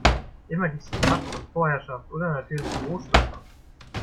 Immer geht es um Macht und Vorherschaft oder natürlich Rohstoffe.